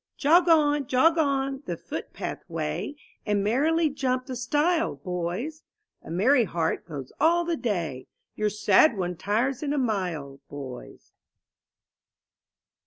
TOG on, jog on, the footpath way, ^ And merrily jump the stile, boys; A merry heart goes all the day. Your sad one tires in a mile, boys.